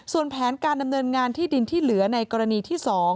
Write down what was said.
ส่วนแผนการดำเนินงานที่ดินที่เหลือในกรณีที่๒